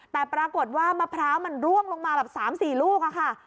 แต่ปรากฏว่ามะพร้าวมันร่วงลงมาแบบ๓๔ลูกค่ะ